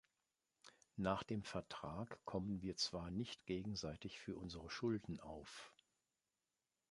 Nach dem Vertrag kommen wir zwar nicht gegenseitig für unsere Schulden auf.